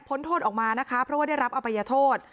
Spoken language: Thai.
โทษออกมานะคะเพราะว่าได้รับอภัยโทษ